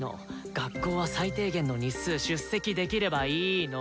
学校は最低限の日数出席できればいいの。